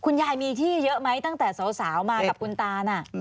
คุณยายมีที่เยอะไหมตั้งแต่สาวมากับคุณตาน่ะ